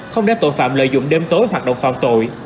không để tội phạm lợi dụng đêm tối hoạt động phạm tội